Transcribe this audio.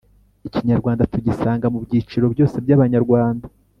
Ikinyarwanda tugisanga mu byiciro byose by’Abanyarwanda